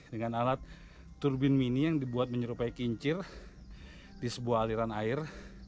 dengan alat turbin mini yang dibuat menyerupai kincir di sebuah aliran air